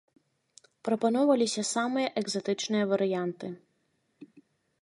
Прапаноўваліся самыя экзатычныя варыянты.